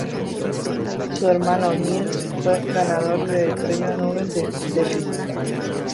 Su hermano Niels fue ganador del Premio Nobel de Física.